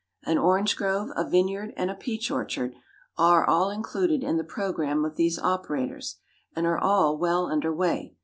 An orange grove, a vineyard, and a peach orchard, are all included in the programme of these operators, and are all well under way.